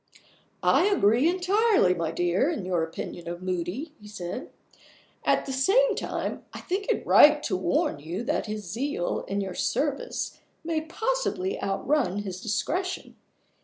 "I agree entirely, my dear, in your opinion of Moody," he said. "At the same time, I think it right to warn you that his zeal in your service may possibly outrun his discretion.